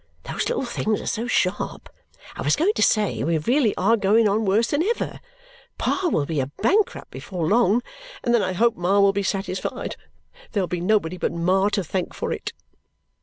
Those little things are so sharp! I was going to say, we really are going on worse than ever. Pa will be a bankrupt before long, and then I hope Ma will be satisfied. There'll he nobody but Ma to thank for it."